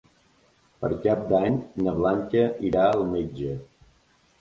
Per Cap d'Any na Blanca irà al metge.